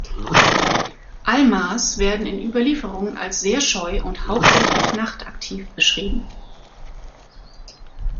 Almas werden in Überlieferungen als sehr scheu und hauptsächlich nachtaktiv beschrieben.